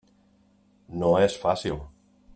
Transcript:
No és fàcil.